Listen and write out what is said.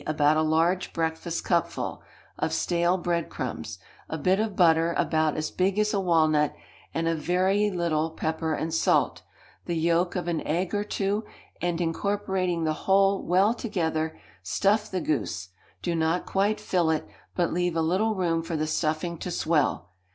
_, about a large breakfast cupful, of stale breadcrumbs, a bit of butter about as big as a walnut, and a very little pepper and salt, the yolk of an egg or two, and incorporating the whole well together, stuff the goose; do not quite fill it, but leave a little room for the stuffing to swell.